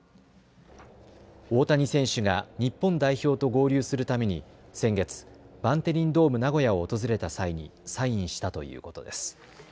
大谷選手が日本代表と合流するために先月、バンテリンドームナゴヤを訪れた際にサインしたということです。